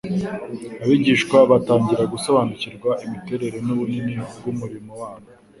Abigishwa batangira gusobanukirwa imiterere n'ubunini bw'umurimo wabo.